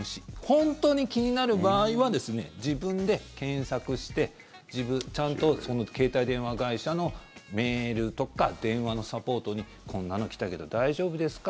本当に気になる場合は自分で検索してちゃんと携帯電話会社のメールとか電話のサポートにこんなの来たけど大丈夫ですか？